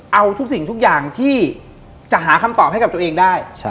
เอาทุกสิ่งทุกอย่างที่จะหาคำตอบให้กับตัวเองได้